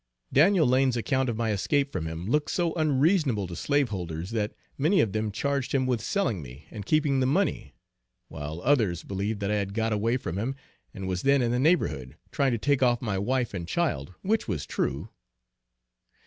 Daniel Lane's account of my escape from him, looked so unreasonable to slaveholders, that many of them charged him with selling me and keeping the money; while others believed that I had got away from him, and was then in the neighborhood, trying to take off my wife and child, which was true.